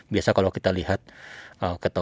biasa kalau kita lihat